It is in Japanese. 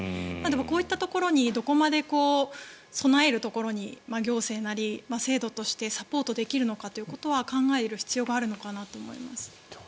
こういったところにどこまで備えるところに行政なり制度としてサポートできるのかということは考える必要があるのかなと思います。